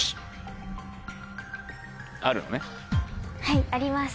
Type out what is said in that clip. はいあります。